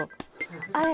あれ。